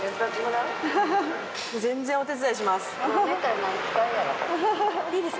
全然お手伝いします。